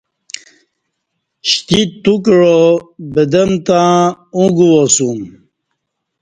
شتیچ تو کعا بدم تہ او گوا سوم